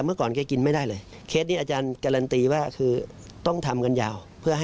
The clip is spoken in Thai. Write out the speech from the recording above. เมื่อวันวันวัน๒๗มิตรจะพาเขาไปนั่งกินข้าว